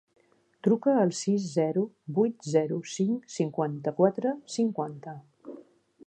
Truca al sis, zero, vuit, zero, cinc, cinquanta-quatre, cinquanta.